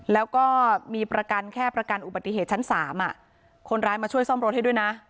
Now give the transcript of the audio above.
แล้วก็มีประกันแค่ประกันอุบัติเหตุชั้น๓คนร้ายมาช่วยซ่อมรถให้ด้วยนะ